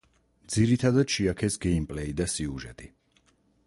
ძირითადად შეაქეს გეიმპლეი და სიუჟეტი.